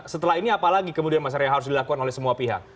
setelah ini apalagi kemudian mas arya yang harus dilakukan oleh semua pihak